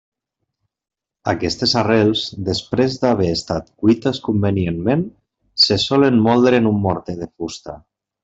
Aquestes arrels després d'haver estat cuites convenientment se solen moldre en un morter de fusta.